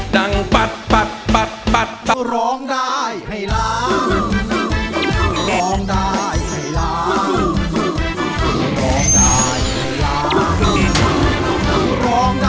ดังปั๊บปั๊บปั๊บปั๊บ